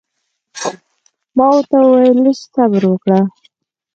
ما ورته وویل لږ صبر وکړه.